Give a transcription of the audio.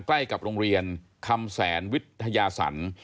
ใกล้กับโรงเรียนคำแสนวิทยาสรรค์